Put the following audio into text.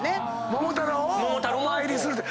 桃太郎をお参りするって。